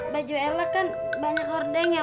baju ella kan banyak hordeng ya